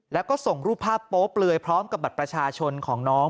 แล้วก็ส่งรูปภาพโป๊เปลือยพร้อมกับบัตรประชาชนของน้อง